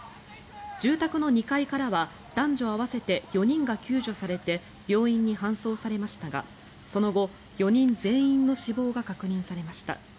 住宅の２階からは男女合わせて４人が救助されて病院に搬送されましたがその後４人全員の死亡が確認されました。